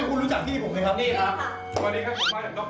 คุณรู้จักที่ผมเลยครับ